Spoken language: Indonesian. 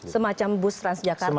semacam bus transjakarta di jakarta